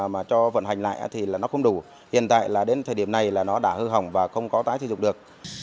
mà cho vận hành lại thì là nó không đủ hiện tại là đến thời điểm này là nó đã hư hỏng và không có tái sử dụng được